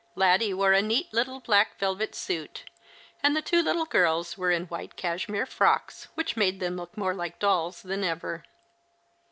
Laddie wore a neat little black velvet suit, and the two little gh'ls were in white cashmere frocks, which made them look more like dolls than ever.